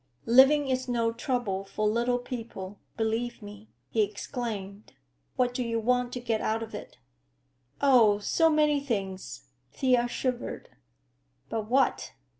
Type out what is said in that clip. "Living is no trouble for little people, believe me!" he exclaimed. "What do you want to get out of it?" "Oh—so many things!" Thea shivered. "But what?